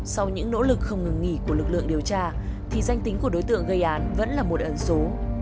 sau những nỗ lực không ngừng nghỉ của lực lượng điều tra thì danh tính của đối tượng gây án vẫn là một ẩn số